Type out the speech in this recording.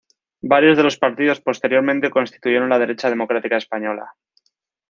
Varios de los partidos posteriormente constituyeron la Derecha Democrática Española.